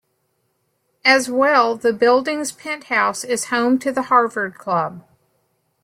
As well, the building's penthouse is home to the Harvard Club.